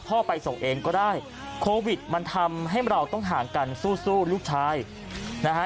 ไปส่งเองก็ได้โควิดมันทำให้เราต้องห่างกันสู้สู้ลูกชายนะฮะ